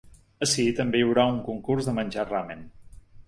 Ací també hi haurà un concurs de menjar ramen.